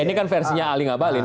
ini kan versinya ali ngabalin